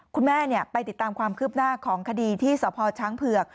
คุณแม่ไปติดตามความคืบหน้าของคดีที่สพช้างเผือก